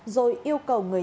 rồi yêu cầu người nhà